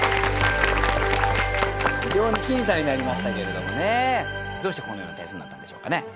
非常に僅差になりましたけれどもねどうしてこのような点数になったんでしょうかね。